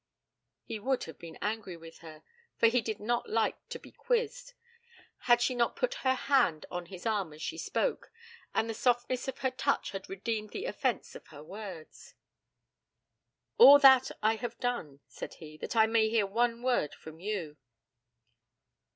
He would have been angry with her, for he did not like to be quizzed, had she not put her hand on his arm as she spoke, and the softness of her touch had redeemed the offence of her words. 'All that have I done,' said he, 'that I may hear one word from you.'